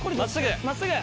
真っすぐ。